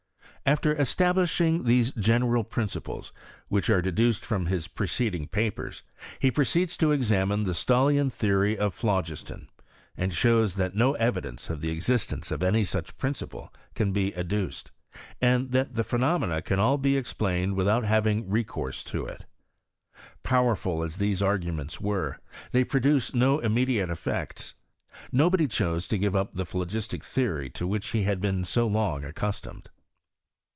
After establishing these general principles, which are deduced from his pre PKOGEESS or CHEMISTRY IH FRANCE. 113 ceding papers, he proceeds to examine the Stahlian theory of phlogiston, and shows that no evidence of the existence of any such principle can be ad dooed, and that the phenomena can all be explained without haying recourse to it. Powerful as these arguments were, they produced no immediate effects. JNobody chose to give up the phlogistic theory to which he had been so long accustomed.